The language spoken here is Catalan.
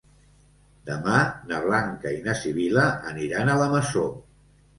Demà na Blanca i na Sibil·la aniran a la Masó.